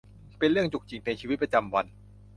เป็นเรื่องจุกจิกในชีวิตประจำวัน